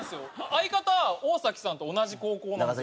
相方大崎さんと同じ高校なんですよ。